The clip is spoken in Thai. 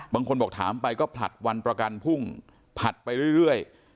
บางคนบอกถามไปก็ผลัดวันประกันพุ่งผลัดไปเรื่อย